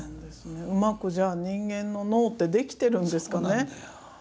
うまくじゃあ人間の脳って出来てるんですかね。